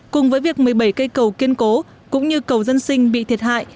cùng với việc một mươi bảy cây cầu kiên cố cũng như cầu dân sinh bị thiệt hại